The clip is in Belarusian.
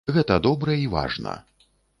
Гэта добра і важна.